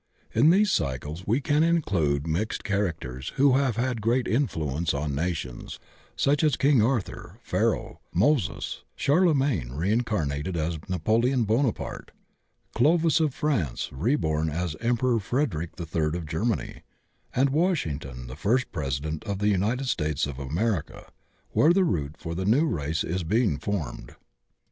In these cycles we can include mixed characters who have had great influence on nations, such as King Arthur, Pharaoh, Moses, Charlemagne reincarnated as Napoleon Buonaparte, Qovis of France reborn as Emperor Frederic III of Germany, and Washington the first President of the United States of America where the root for the new race is being formed.